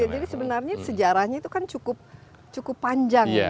jadi sebenarnya sejarahnya itu kan cukup panjang